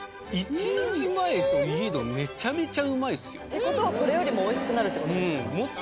１日前といえどめちゃめちゃうまいっすよってことはこれよりも美味しくなるってことですよね